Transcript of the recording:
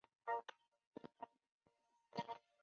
后藤新平为台湾日治时期各项政经建设的基础肇始者。